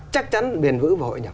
chắc chắn biển vữ và hội nhập